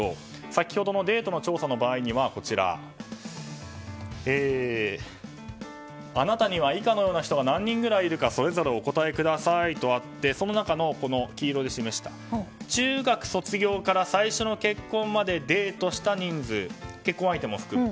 先ほどのデートの調査の場合にはあなたには以下のような人が何人ぐらいいるかそれぞれお答えくださいとあってその中の、黄色で示した中学卒業まで最初の結婚までデートした人数結婚相手も含む。